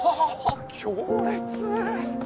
強烈！